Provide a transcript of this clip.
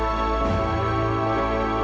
aku harus ke belakang